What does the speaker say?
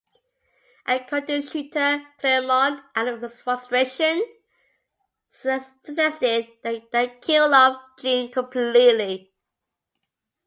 According to Shooter, Claremont out of frustration suggested that they kill off Jean completely.